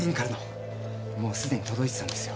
もう既に届いてたんですよ。